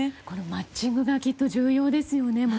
このマッチングがきっと重要ですよね。